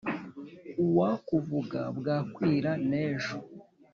Uwakuvuga bwakwira n’ejo,